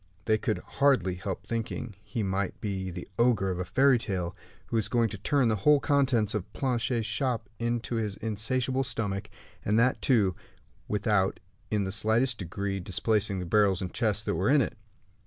They could hardly help thinking he might be the ogre of the fairy tale, who was going to turn the whole contents of Planchet's shop into his insatiable stomach, and that, too, without in the slightest degree displacing the barrels and chests that were in it.